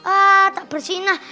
ah tak bersih nah